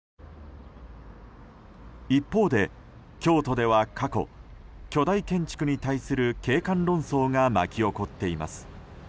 一方で、京都では過去巨大建築に対する景観論争が巻き起こっています。